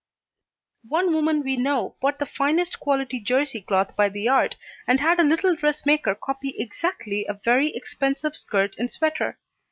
One woman we know bought the finest quality jersey cloth by the yard, and had a little dressmaker copy exactly a very expensive skirt and sweater.